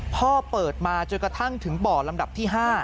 เปิดมาจนกระทั่งถึงบ่อลำดับที่๕